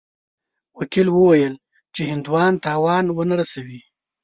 وکیل وویل چې هندوان تاوان ونه رسوي.